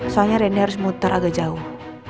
soalnya rendy harus muter agak jauh